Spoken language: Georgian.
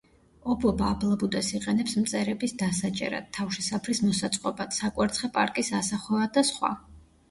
ობობა აბლაბუდას იყენებს მწერების დასაჭერად, თავშესაფრის მოსაწყობად, საკვერცხე პარკის ასახვევად და სხვა.